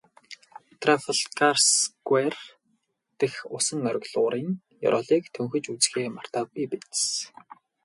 Трафальгарсквер дэх усан оргилуурын ёроолыг төнхөж үзэхээ мартаагүй биз?